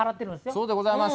そうでございます。